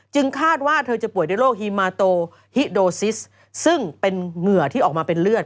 คาดว่าเธอจะป่วยด้วยโรคฮีมาโตฮิโดซิสซึ่งเป็นเหงื่อที่ออกมาเป็นเลือด